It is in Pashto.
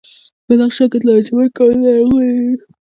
په بدخشان کې د لاجوردو کانونه لرغوني دي